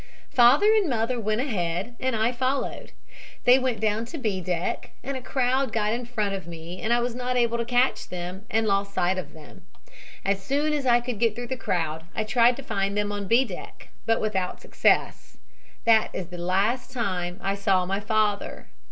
"Father and mother went ahead and I followed. They went down to B deck and a crowd got in front of me and I was not able to catch them, and lost sight of them. As soon as I could get through the crowd I tried to find them on B deck, but without success. That is the last time I saw my father.